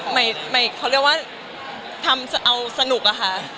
หมายเขาเรียกว่าเอาสนุกอะค่ะ